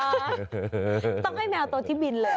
ต้องให้แมวตัวที่บินเลย